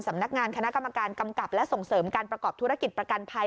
สำนักงานคณะกรรมการกำกับและส่งเสริมการประกอบธุรกิจประกันภัย